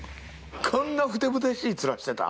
こんなふてぶてしい面してた？